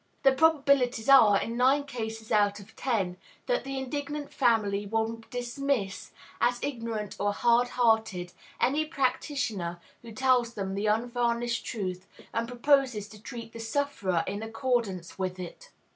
The probabilities are, in nine cases out of ten, that the indignant family will dismiss, as ignorant or hard hearted, any practitioner who tells them the unvarnished truth, and proposes to treat the sufferer in accordance with it.